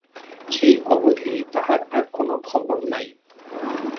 সেই অবধি তাহার আর কোন খবর নাই।